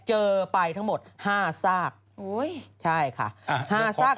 เจอไปทั้งหมด๕ซากโอ้ยใช่ค่ะ๕ซาก